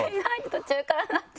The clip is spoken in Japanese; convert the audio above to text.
途中からなって。